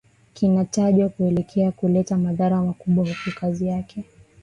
kinatajwa kuendelea kuleta madhara makubwa huku kazi yake